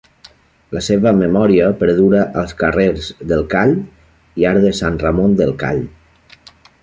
La seva memòria perdura als carrers del Call i Arc de Sant Ramon del Call.